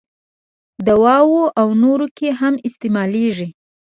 دواوو او نورو کې هم استعمالیږي.